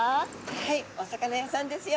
はいお魚屋さんですよ。